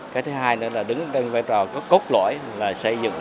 cái thứ hai nữa là đứng trên vai trò cốt lõi là xây dựng